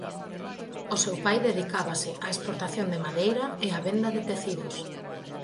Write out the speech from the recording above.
O seu pai dedicábase á exportación de madeira e á venda de tecidos.